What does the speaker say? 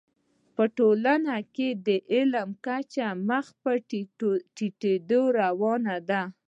په ټولنه کي د علم کچه مخ پر ټيټه روانه ده.